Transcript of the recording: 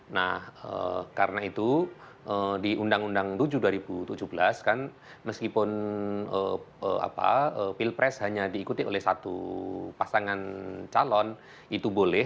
nah karena itu di undang undang tujuh dua ribu tujuh belas kan meskipun pilpres hanya diikuti oleh satu pasangan calon itu boleh